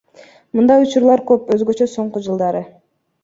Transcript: Мындай учурлар көп, өзгөчө соңку жылдары.